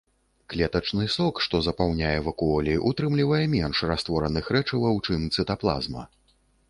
Клетачны сок, што запаўняе вакуолі, утрымлівае менш раствораных рэчываў, чым цытаплазма.